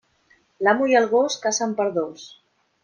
L'amo i el gos cacen per dos.